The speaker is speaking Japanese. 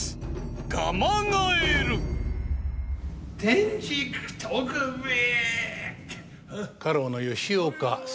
天竺徳兵衛。